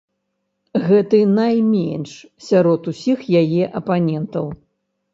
Гэты найменш сярод усіх яе апанентаў.